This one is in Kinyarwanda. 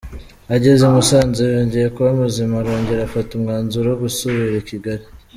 Ageze i Musanze yongeye kuba muzima arongera afata umwanzuro wo gusubira i Kigali.